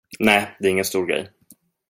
Nej, det är ingen stor grej.